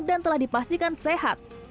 dan telah dipastikan sehat